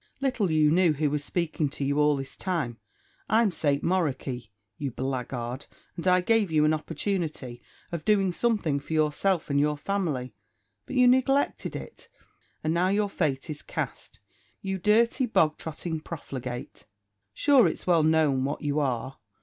Little you knew who was speaking to you all this time. I'm St. Moroky, you blackguard, and I gave you an opportunity of doing something for yourself and your family; but you neglected it, and now your fate is cast, you dirty, bog trotting profligate. Sure, it's well known what you are!